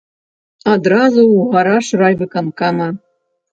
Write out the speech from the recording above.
Адразу ў гараж райвыканкама.